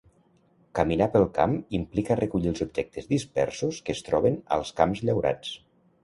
Caminar pel camp implica recollir els objectes dispersos que es troben als camps llaurats.